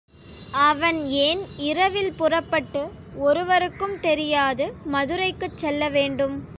அவன் ஏன் இரவில் புறப்பட்டு ஒருவருக்கும் தெரியாது மதுரைக்குச் செல்ல வேண்டும்?